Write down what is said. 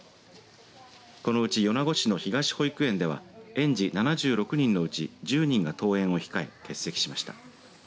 このうち米子市の東保育園では園児７６人のうち１０人が登園を控え欠席しました。